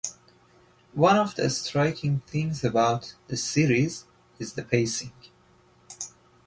One of the striking things about the series is the pacing.